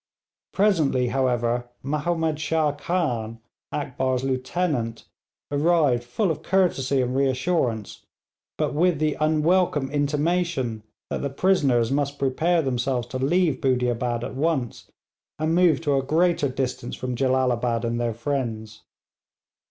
Presently, however, Mahomed Shah Khan, Akbar's lieutenant, arrived full of courtesy and reassurance, but with the unwelcome intimation that the prisoners must prepare themselves to leave Budiabad at once, and move to a greater distance from Jellalabad and their friends.